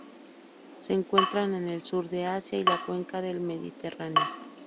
Se encuentra en el sur de Asia y la Cuenca del Mediterráneo.